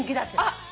あっ。